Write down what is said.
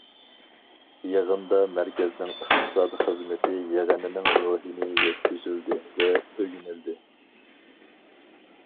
يىغىندا مەركەزنىڭ ئىقتىساد خىزمىتى يىغىنىنىڭ روھىنى يەتكۈزۈلدى ۋە ئۆگىنىلدى.